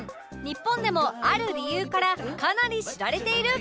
日本でもある理由からかなり知られている